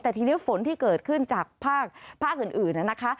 แต่ทีนี้ฝนที่เกิดขึ้นจากภาคอื่นนะคะ